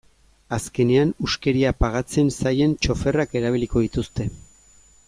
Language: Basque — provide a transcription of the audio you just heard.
Azkenean, huskeria pagatzen zaien txoferrak erabiliko dituzte.